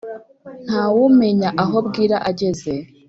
ntawumenya aho bwira ageze